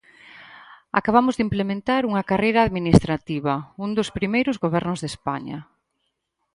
Acabamos de implementar unha carreira administrativa, un dos primeiros gobernos de España.